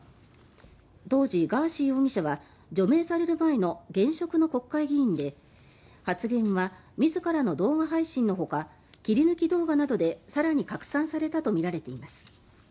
当時、ガーシー容疑者は除名される前の現職の国会議員で発言は自らの動画配信のほか切り抜き動画などで更に拡散されたとみられています。